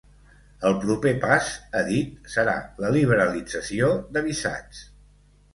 El proper pas, ha dit, serà la liberalització de visats.